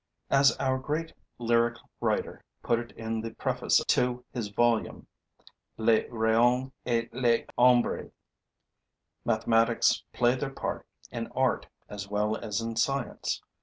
As our great lyric writer put it in the preface to his volume, Les Rayons et les ombres: 'Mathematics play their part in art as well as in science.